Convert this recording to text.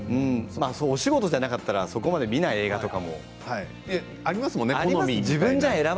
仕事じゃなかったらそこまで見ない映画もありますよね。